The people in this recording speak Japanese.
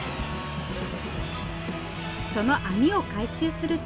その網を回収すると。